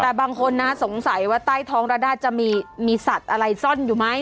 แต่บางคนนะสงสัยว่าใต้ท้องระด้าจะมีสัตว์อะไรซ่อนอยู่ไหม